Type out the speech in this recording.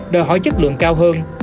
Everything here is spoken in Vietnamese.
đòi hỏi chất lượng cao hơn